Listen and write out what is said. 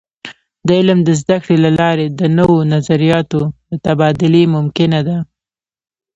د علم د زده کړې له لارې د نوو نظریاتو د تبادلې ممکنه ده.